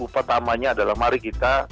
pertamanya adalah mari kita